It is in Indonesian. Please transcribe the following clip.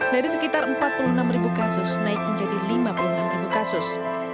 dari sekitar empat puluh enam kasus naik menjadi lima puluh enam kasus